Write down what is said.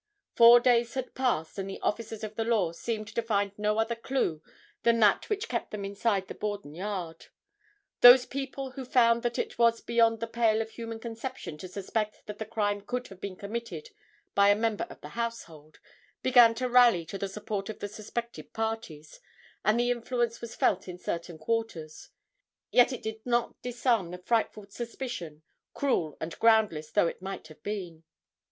Four days had passed and the officers of the law seemed to find no other clue than that which kept them inside the Borden yard. Those people who found that it was beyond the pale of human conception to suspect that the crime could have been committed by a member of the household, began to rally to the support of the suspected parties; and their influence was felt in certain quarters; yet it did not disarm the frightful suspicion, cruel and groundless though it might have been.